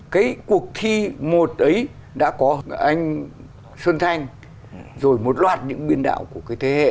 cuộc thi một ấy đã có anh xuân thanh rồi một loạt những biên đạo của thế hệ